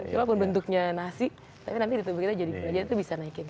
cuma pun bentuknya nasi tapi nanti di tubuh kita jadi gula jadi itu bisa naikin